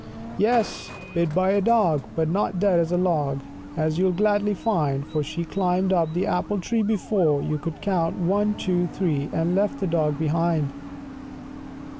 16 Yes, bit by a dog, But not dead as a log, As you'll gladly find; For she climbed up the apple tree before you could count ONE, TWO, THREE, and left the dog behind.